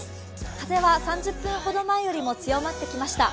風は３０分ほど前よりも強まってきました。